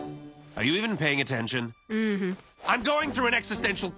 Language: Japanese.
あっ！